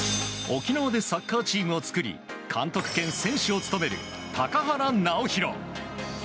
沖縄でサッカーチームを作り監督兼選手を務める高原直泰。